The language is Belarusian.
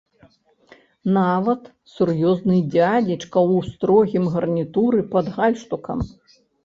Нават сур'ёзны дзядзечка ў строгім гарнітуры пад гальштукам.